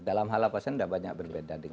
dalam hal apa saja tidak banyak berbeda